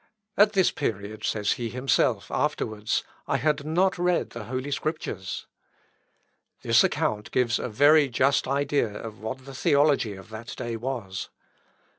"At this period," says he himself afterwards, "I had not read the Holy Scriptures." This account gives a very just idea of what the theology of that day was.